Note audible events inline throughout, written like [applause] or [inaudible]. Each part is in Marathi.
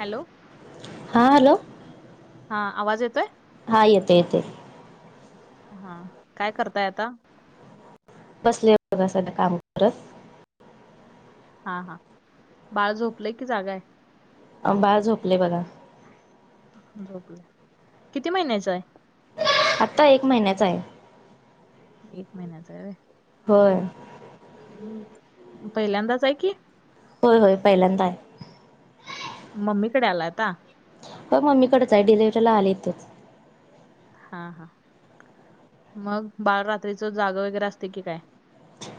हॅलो. हां हॅलो. हा आवाज येतोय. हा येतय येतय. हा काय करताय आता? बसलेय बघा अस काम करत. हा हा बाळ झोपलंय की, जाग हाय. आ बाळ झोपलय बघा. झोपलय किती महिन्याच हाय? आता एक महिन्याच हाय. एक महिन्याच हाय व्हय. व्हय. पहिल्यांदाच हाय की होय होय पहिल्यांदा आहे. मम्मीकडे आलाय आता? हो मम्मीकडच हाय डिलेव्हरीला आले इथंच. हा हा. मग बाळ रात्रीच जाग वगैरे असतय की, काय?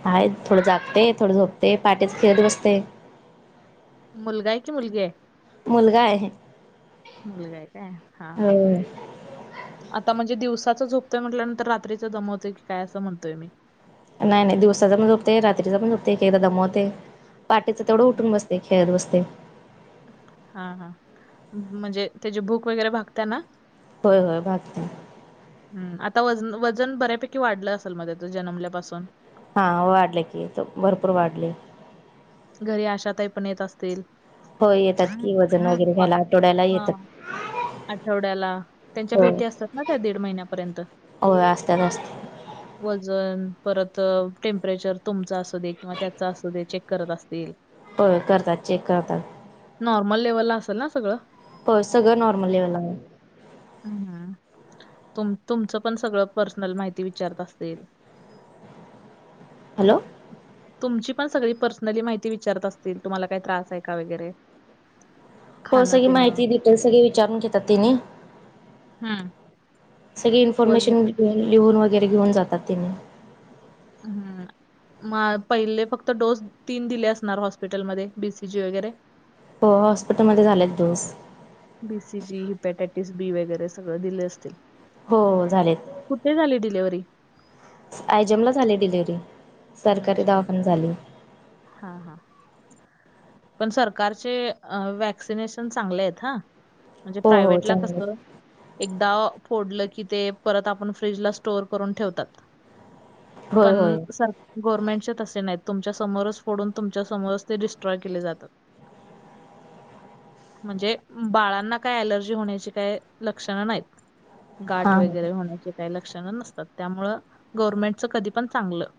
हाय थोडं जागतय, थोडं झोपतय, पाहटेच खेळत बसतय. मुलगा हाय की मुलगी हाय? मुलगा हाय व्हय. मुलगा आहे काय हा हा आता म्हणजे दिवसाच झोपतोय म्हटल्यानंतर, रात्रीच दमवतोय की काय असं म्हणतोय मी? नाही नाही दिवसाच पण झोपतय, रात्रीच पण झोपतय, एक एकदा दमवतय. पाटेचं तेवढं उठून बसतय, खेळत बसतय. हा हा म्हणजे त्याची भूक वगैरे भागत्या ना. होय होय भागतिया हम्म आता वजन वजन बऱ्यापैकी वाढलं असेल, म त्याच जन्मल्यापासून हा वाढलय की, एकदम भरपूर वाढलय. घरी आशाताई पण येत असतील. होय येतात की, वजन वगैरे घ्यायला आठवड्याला हा येतात. आठवड्याला त्यांच्या होय भेटी असतात ना, त्या दीड महिन्यापर्यंत होय असतात असतात वजन परत अ टेम्परेचर तुमचा असू दे किंवा त्याचा असू दे चेक करत असतील. व्हय करतात चेक करतात. नॉर्मल लेव्हलला असल ना सगळं. होय सगळं नॉर्मल लेवलला हाय. ह तुम तुमचं पण सगळं पर्सनल माहिती विचारत असतील. [inaudible] हॅलो. तुमची पण सगळी पर्सनली माहिती विचारत असतील, तुम्हाला काय त्रास आहे का वगैरे? हो खाणं सगळी पिणं माहिती डिटेल सगळे विचारून घेतात तेनी हम्म. सगळी वजन इन्फॉर्मेशन लिहून वगैरे घेऊन जातात तेनी हम्म. म पहिले फक्त डोस तीन दिले असणार. हॉस्पिटल मध्ये. बीसीजी वगैरे. हो हॉस्पिटलमध्ये झालेत dose. BC G hepatitis B वगैरे सगळं दिले असतील. हो झालेत. कुठे झाली डिलिव्हरी. आयजमला झाली डिलेवारी, सरकारी आयजम. दवाखानेत झाली, हा हा. पण सरकारचे वॅक्सिनेशन चांगले आहेत हा. म्हणजे हो हो प्रायव्हेटला चांगले कसं. एकदा फोडलं की ते. परत आपण फ्रीजला स्टोअर करून ठेवतात. होय पण होय असर गव्हर्नमेंटच्या तसे नाहीत. तुमच्या समोरच फोडून. तुमच्या समोरच ते डिस्ट्रॉय केले जातात. म्हणजे बाळांना काय अलर्जी होण्याची. काय लक्षणं नाहीत. गाठ हां हो वगैरे होण्याची काही लक्षणं नसतात. त्यामुंळ गव्हर्नमेंटच कधी पण चांगलं.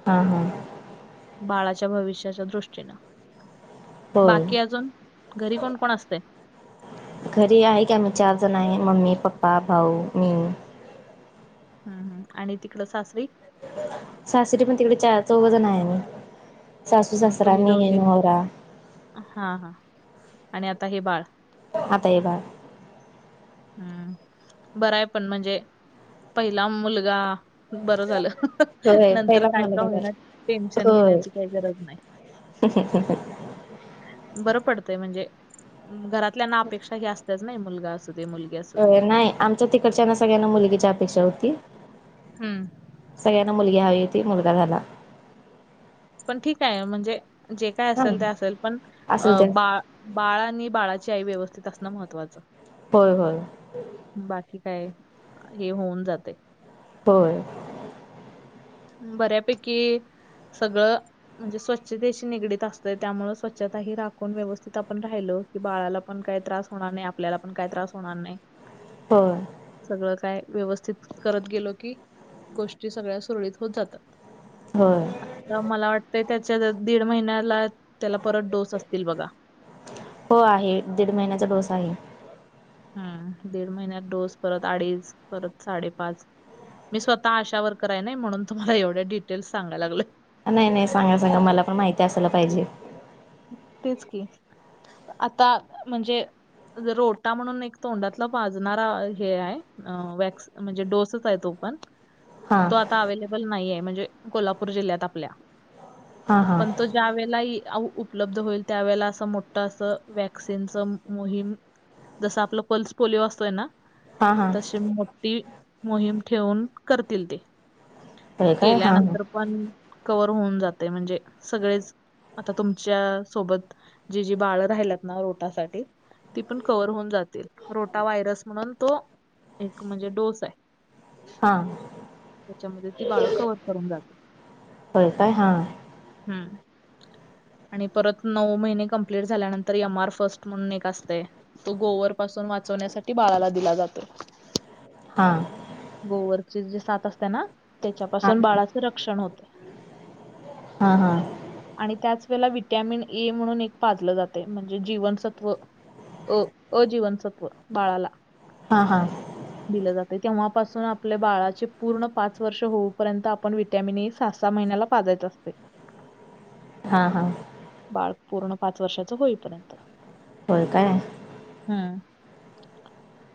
ह. ह. ह. बाळाच्या भविष्याच्या दृष्टीनं. होय बाकी अजून. घरी कोण कोण असते. घरी आहे की, आम्ही चार जण आहे. मम्मी पप्पा भाऊ मी. हम्म हम् आणि तिकड सासरी. सासरी पण तिकडे चार चौघ जण आहे आमी. हम्म. तुम्ही दोघे. हा हा आणि आता हे बाळ. आता हे बाळ. हम्म. बरंय पण म्हणजे,. पहिला मुलगा. बरं झालं. होय नंतर पहिला काय काय मुलगा होईना. झाला टेन्शन घेण्याची काही गरज नाही. हके हकट [unintelligible] बरं पडतंय म्हणजे. घरातल्यांना अपेक्षा ही असतेच ना मुलगा अस ते मुलगी असू दे नाय. आमच्या तिकडच्यां ना. सगळ्यांना मुलगीची अपेक्षा होती. हम्म. सगळ्यांना मुलगी हवी होती. मुलगा झाला. पण ठीके. म्हणजे जे काय हा असेल ते असेल. पण असेल अ त्या बा बाळ आणि बाळाची आई. व्यवस्थित असणं महत्त्वाचं. होय, होय. बाकी काय. हे होऊन जातय. होय. बऱ्यापैकी सगळं. म्हणजे स्वच्छतेशी निगडीत असते. त्यामुळे स्वच्छताही राखून व्यवस्थित आपण राहिल. कि बाळाला पण काही त्रास होणार नाही. आपल्याला पण काय त्रास होणार नाही. होय. सगळं काय व्यवस्थित करत गेलो की, गोष्टी सगळ्या सुरळीत हो जातात. होय. तर मला वाटतंय त्याच्या दीड महिन्याला. त्याला परत डोस असतील बघा्. हो आहे. दीड महिन्याचा डोस आहे. हम्म दीड महिन्यात डोस. परत अडीच. परत साडेपाच. मी स्वतः आशा वकररायनी. म्हणून तुम्हाला एवढ्या डिटेल्स सगयला लागले. नाही नाही. सांगा सांगा. मला पण माहिती असायला पाहिजे. तेच की, आता म्हणजे. रोटा म्हणून. एक तोंडातला पाजणारा हे आहे. वक्स म्हणजे डोसेच आहे तो पण. हां तो आता अबल नाहीये. म्हणजे कोल्हापूर जि्ल्यात आपल्या. हां हां पण तो. ज्या वेळेला ही उपलब्ध होईल. त्यावेेळेला असं मोठ असं वॅक्सिनच मोहीम. जस आपलं पल्स पोलिओ असतोय ना. हां हां तशी मोठी मोहीम ठेवून करतील ते. होय काय हां हां केल्यानंतर पण कवर होऊन जाते म्हणजे सगळेच - - आता तुमच्या सोबत जी जी बाळ राहिल्यात ना रोटासाठी ती पण कव्हर होऊन जातील. रोटा व्हायरस म्हणून तो - - एक म्हणजे डोस हाय. हा. त्याच्यामध्ये ती बाळ कव्हर करून जाते. हो काय. हा. हम्म. आणि परत नऊ महिने कंप्लीट झाल्यानंतर एम आर फर्स्ट म्हणून एक असतयं. तो गोवर पासून वाचवण्यासाठी बाळाला दिला जातो. हां. गोवरची जी साात असत्या ना हां त्याच्यापासून बाळाच रक्षण होतं. हा. हा. आणि त्याच वेळेला विटॅमिन ए म्हणून एक पाजलं जातयं म्हणजे जीवनसत्व. अ, अ जीवनसत्व बाळाला. हा. हा. दिलं जातयं. तेव्हापासून आपले बाळाचे पूर्ण पाच - - वर्ष होऊपर्यंत आपण वि्हटॅमिन ए सहा -सहा महिन्याला पाजायच असतयं. हा. हा. बाळ पूर्ण पाच वर्षाचं होईपर्यंत. होय काय? हम्म.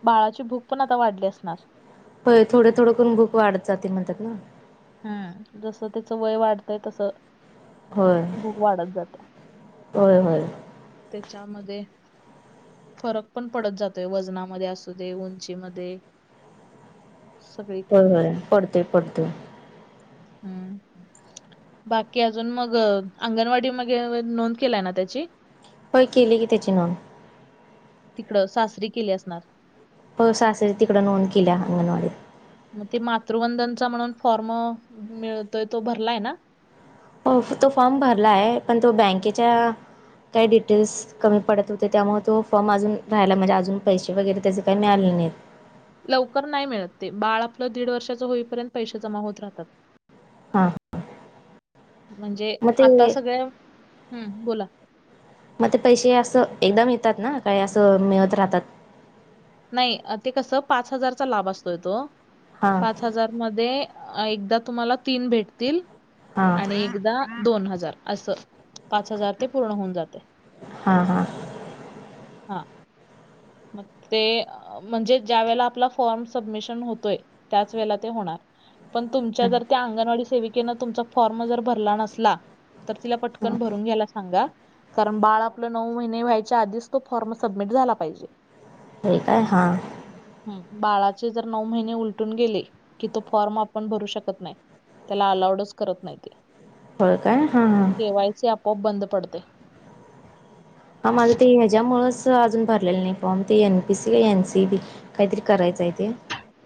बाळाची भूक पण आता वाढली असणार. होय. थोडं थोडं करून भूक वाढत जाते म्हणत्यात नव्हं. हम्म. जसं त्याचं वय वाढतंय तसं. होय. भुक वाढत जात्या. होय. होय. त्याच्यामध्ये - - फरक पण पडत जातोय. वजनामध्ये असू दे, उंचीमध्ये. होय, सगळीकडूनच होय. पडतोय, पडतोय. हम्म. बाकी अजून मग अंगणवाडी मगे अ नोंद केलाय ना त्याची? होय. केली की त्याची नोंद. तिकडं सासरी केली असणार. होय. सासरी तिकडं नोंद केल्या अंगणवाडीत. मग ते मातृवंदनचा म्हणून फॉर्म मिळतोय तो भरलाय ना. तो फॉर्म भरलायं पण तो बँकेच्या - - काही डिटेल्स कमी पडत होते. त्यामुळं तो फॉर्म अजून राहायला म्हणजे अजून पैसे वगैरे त्याचे काय मिळालं नाहीयेत. लवकर नाही मिळत ते. बाळ आपलं दीड वर्षाच होईपर्यंत पैसे जमा होत राहतात. हा. म्हणजे आता ते सगळ्या - - हम् बोला. मग ते पैसे असं एकदम येतात ना काय असं मिळत राहतात? नाही ते कस पाच हजारचा लाभ असतोय तो. हां पाच - - हजार मध्ये एकदा तुम्हाला तीन भेटतील हां आणि एकदा दोन हजार असं पाच हजार ते पूर्ण होऊन जात्या. हा. हा. हां. मग ते म्हणजे ज्या वेळेला आपला फॉर्म सबमिशन होतोय त्याच वेळेला ते होणार. पण तुमच्या जर हां त्या अंगणवाडी सेविकेने तुमचा फॉर्म जर भरला नसला तर तिला पटकन भरून घ्यायला सांगा कारण बाळ आपलं नऊ महिने व्हायच्या आधीच, तो फॉर्म सबमिट झाला पाहिजे. ठीक आहे हा. हम्म बाळाचे जर नऊ महिने उलटून गेले, कि तो फॉर्म आपण भरू शकत नाही. त्याला अलाउडच करत नाही ते, होय काय हां हां केवायसी आपोआप बंद पडते. माझं ते ह्याज्यामुळच अजून भरलेलं नाही फॉर्म, ते एन पी सी का एन सी बी. काहीतरी करायचं आहे ते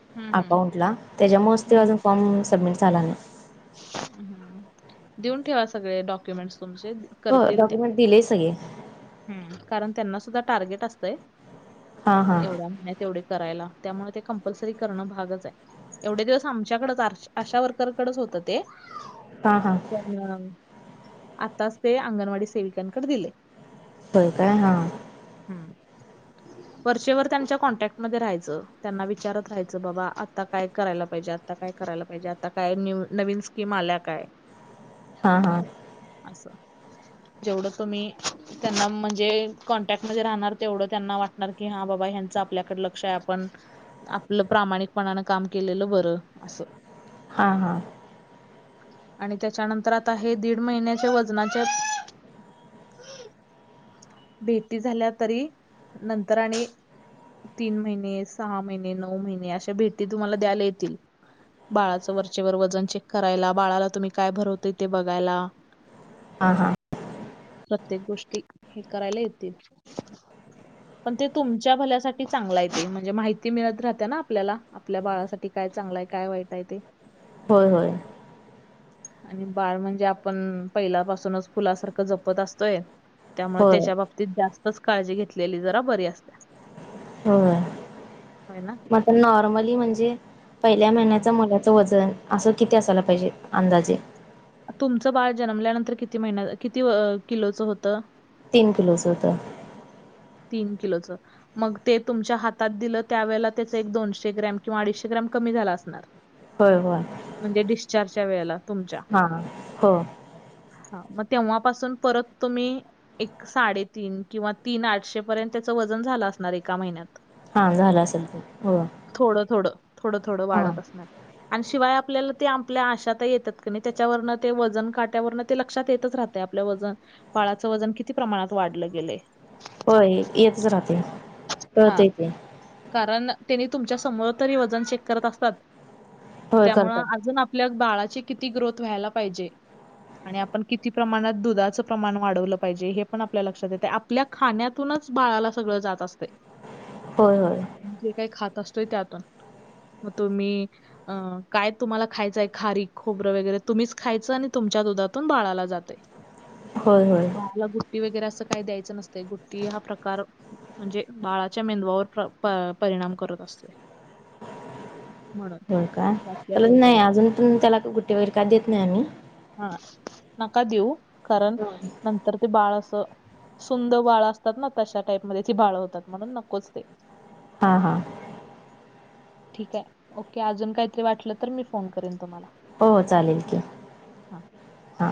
हम्म अकाउंटला, त्याज्यामुळच हम्म त्यो अजून हम्म फॉर्म सबमिट झाला नाही. देऊन ठेवा सगळे डॉक्युमेंट्स तुमचे. होय करतील त्या डॉक्युमेंट दिले सगळे. हम्म कारण त्यांना सुद्धा टार्गेट असतय. हां हां एवढ्या [unintelligible] तेवढे करायला. त्यामुळे ते कंपल्सरी करणं भागच हाय. एवढे दिवस आमच्याकड अशा वर्करकडच होतं ते. हा हा. पण, आताच ते अंगणवाडी सेविकांकडे दिले. होय काय हा. हम्म. वर्चेवर त्यांच्या कॉन्टॅक्ट म राहायचं. त्यांना विचारत राहायचं, बाबा आता काय करायला पाहिजे आता काय करायला पाहिजे. आता काय न्यू, नवीन स्कीम आल्या काय? हा हा. असं. जेवढं तुम्ही त्यांना म्हणजे कॉन्टॅक्ट मध्ये राहणार तेवढं त्यांना वाटणार की, हा बाबा ह्यांचं आपल्याकडे लक्ष हाय आपण आपलं प्रामाणिकपणानं काम केलेलं बरं, असं. हा हा. आणि त्याच्यानंतर आता हे दीड महिन्याच्या वजनाच्या भेटी झाल्या तरी, नंतर आणि तीन महिने, सहा महिने, नऊ महिने अशा भेटी तुम्हाला द्यायला येतील. बाळाचं वरचेवर वजन चेक करायला, बाळाला तुम्ही काय भरवतय ते बघायला. हा हा.. प्रत्येक गोष्टी, हे करायला येतील. पण ते तुमच्या भल्यासाठी चांगला आहे ते, म्हणजे माहिती मिळत राहत्याना आपल्याला. आपल्या बाळासाठी काय चांगलंय काय वाईट हाय ते. होय होय. आणि बाळ म्हणजे आपण, पहिल्यापासूनच फुलासारखं जपत असतोय. त्यामुळे होय त्याच्या बाबतीत जास्तच काळजी घेतलेली जरा बरी असत्या. होय. हो ना? म आता नॉर्मली म्हणजे पहिल्या हा महिन्याच मुलाच वजन असं किती असायला पाहिजे? अंदाजे. तुमचं बाळ जन्मल्यानंतर किती महिन्या किती अ -किलोच होतं? तीन किलोच हुतं. तीन किलोचं मग ते तुमच्या हातात दिलं त्यावेळेला त्याच एक दोनशे ग्रॅम किवा अडीशे ग्रॅम कमी झाल असणार. होय होय. म्हणजे डिस्चार्जच्या वेळेला, तुमच्या. हा हो. हा मग तेव्हापासून परत तुम्ही, एक साडेतीन किंवा तीन आठशे पर्यंत त्याच वजन झालं असणार एका महिन्यात. हां झालं असेल ते हो थोडं थोडं, थोडं थोडं हां वाढत असणार. आणि शिवाय आपल्याला ते आपल्या आश येतात क नाही त्याच्यावरन ते वजन काट्यावरन ते लक्षात येतच राहते. आपलं वजन बाळाचं वजन किती प्रमाणात वाढलं गेले. होय येतच राहते कळत हा येते. कारण त्यांनी तुमच्या समोर तरी वजन शेक करत असतात होय त्यामु करतात अजून आप लग बाळाची किती ग्रोथ व्हायला पाहिजे आणि आपण किती प्रमाणात दुधाचं प्रमाण वाढवलं पाहिजे हे पण आपल्या लक्षात येते. आपल्या खाण्यातूनच बाळाला सगळ जात असते. हो होय. जे काही खात असतोय त्यातून मग तुम्ही अं काय तुम्हाला खायचंय खारी खोबरं वगैरे तुम्हीच खायचं आणि तुमच्या दुधातून बाळाला जाते. [inaudible] होय होय. बाला गुट्टी वगैरे असं काही द्यायचं नसते गुट्टी हा प्रकार म्हणजेडळाच्या मेंदवावर परिणाम करत असते. होळ बाकी काला अजून नाही काय अजून पण त्याला कुठे वैर काय देत नाही आम्ही हा नका देऊ कारण नंतर ते बाळ असं. सुंदर बाळ असतात ना तशा टाईप म ती बाळ होतात म्हणून नकोच ते हा हा. ठीक आहे ओके अजून काहीतरी वाटलं तर मी फोन करेन तुम्हाला हो चालेल की. हां